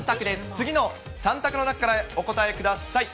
次の３択の中からお答えください。